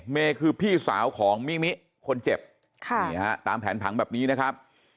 เมย์คือพี่สาวของมิมิคนเจ็บตามแผนผังแบบนี้นะครับ